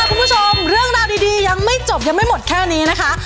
คุณผู้ชมเรื่องราวดียังไม่จบยังไม่หมดแค่นี้นะคะ